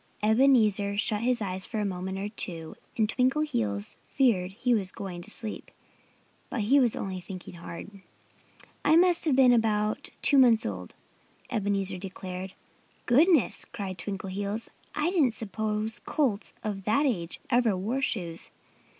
Ebenezer shut his eyes for a moment or two. And Twinkleheels feared he was going to sleep. But he was only thinking hard. "I must have been about two months old," Ebenezer declared. "Goodness!" cried Twinkleheels. "I didn't suppose colts of that age ever wore shoes."